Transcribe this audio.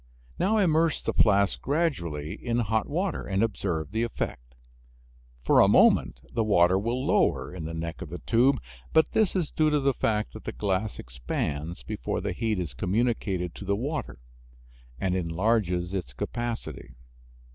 Now immerse the flask gradually in hot water, and observe the effect. For a moment the water will lower in the neck of the tube, but this is due to the fact that the glass expands before the heat is communicated to the water and enlarges its capacity.